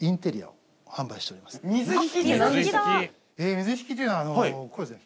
水引というのはこれですね。